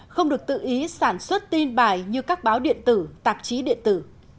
không được tự ý sản xuất tin bài như các báo điện tử tạp chí điện tử